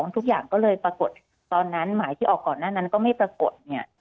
ทุกอย่างก็เลยปรากฏตอนนั้นหมายที่ออกก่อนหน้านั้นก็ไม่ปรากฏเนี่ย